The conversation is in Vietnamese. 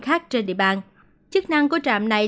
khác trên địa bàn chức năng của trạm này